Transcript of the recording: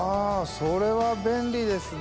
それは便利ですね。